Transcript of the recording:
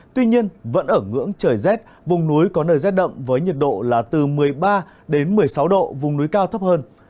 tuy nhiên vẫn ở ngưỡng trời rét vùng núi có nơi rét đậm với nhiệt độ là từ một mươi ba đến một mươi sáu độ vùng núi cao thấp hơn